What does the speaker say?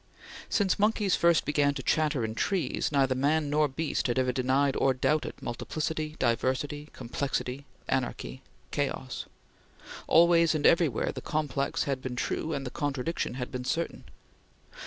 Since monkeys first began to chatter in trees, neither man nor beast had ever denied or doubted Multiplicity, Diversity, Complexity, Anarchy, Chaos. Always and everywhere the Complex had been true and the Contradiction had been certain.